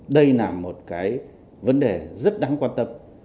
đây là một cái vấn đề rất đáng quan tâm